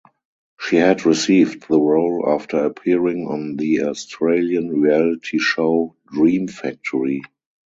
She had received the role after appearing on the Australian reality show "Dream Factory".